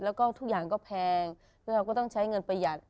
แล้วก็ทุกอย่างก็แพงแล้วเราก็ต้องใช้เงินประหยัด